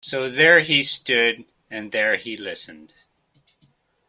So there he stood, and there he listened.